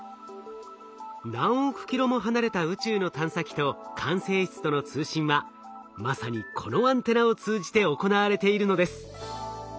何億キロも離れた宇宙の探査機と管制室との通信はまさにこのアンテナを通じて行われているのです。